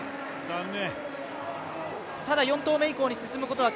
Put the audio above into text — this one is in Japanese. ただ４投目以降に進むことは